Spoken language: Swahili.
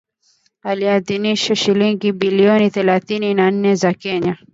aliidhinisha shilingi bilioni thelathini na nne za Kenya